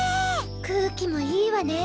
空気もいいわね！